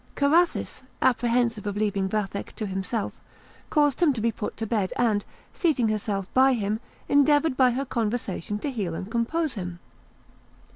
Carathis, apprehensive of leaving Vathek to himself, caused him to be put to bed, and seating herself by him, endeavoured by her conversation to heal and compose him.